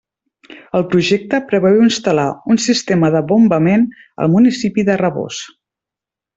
El Projecte preveu instal·lar un sistema de bombament al municipi de Rabós.